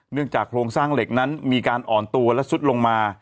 จากโครงสร้างเหล็กนั้นมีการอ่อนตัวและซุดลงมา